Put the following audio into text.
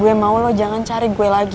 gue mau lo jangan cari gue lagi